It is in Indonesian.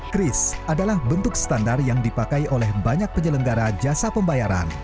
kris adalah bentuk standar yang dipakai oleh banyak penyelenggara jasa pembayaran